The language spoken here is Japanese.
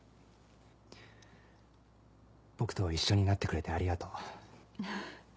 僕と一緒になってくれてありがとう。